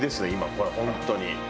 これは本当に。